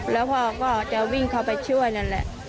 แล้วพ่อก็จะวิ่งเข้าไปช่วยนั่นแหละ